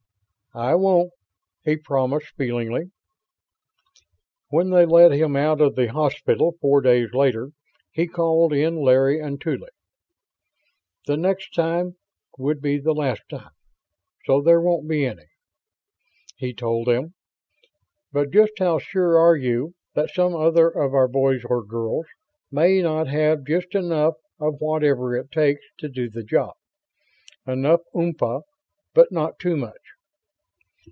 "I won't," he promised, feelingly. When they let him out of the hospital, four days later, he called in Larry and Tuly. "The next time would be the last time. So there won't be any," he told them. "But just how sure are you that some other of our boys or girls may not have just enough of whatever it takes to do the job? Enough oompa, but not too much?"